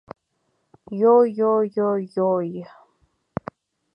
Йо-йо-йо-йой.